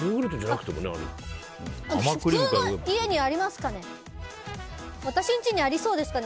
普通の家にありますかね？